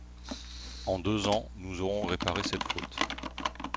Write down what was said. En deux ans, nous aurons réparé cette faute.